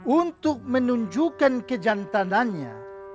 untuk menunjukkan kejantanannya